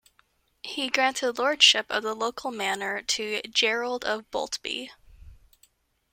He granted Lordship of the local manor to "Gerald of Boltby".